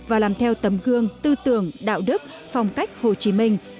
và làm theo tấm gương tư tưởng đạo đức phong cách hồ chí minh